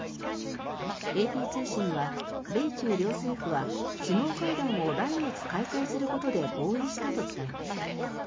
ＡＰ通信は米中両政府は首脳会談を来月開催することで合意したと伝えました。